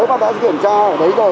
nếu mà đã kiểm tra ở đấy rồi